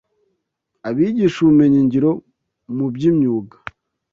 abigisha ubumenyingiro mu by’imyuga